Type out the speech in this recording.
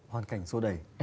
hoàn cảnh sô đầy